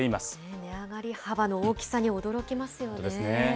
値上がり幅の大きさに驚きますよね。